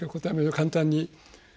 簡単に。